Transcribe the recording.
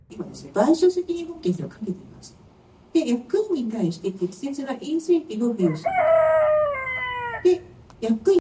Singleton also played in local band Black Cat Bone.